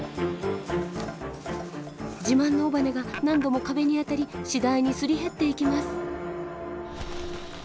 自慢の尾羽が何度も壁に当たり次第にすり減っていきます。